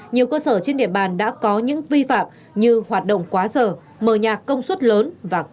nhiều cơ sở trên địa bàn đã có những vi phạm như hoạt động quá giờ mờ nhà công suất lớn